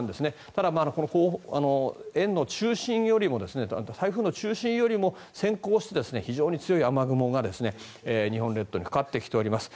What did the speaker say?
ただ、円の中心よりも台風の中心よりも先行して非常に強い雨雲が、日本列島にかかってきております。